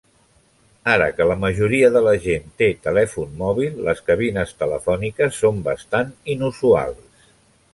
Ara que la majoria de la gent té telèfon mòbil, les cabines telefòniques són bastant inusuals.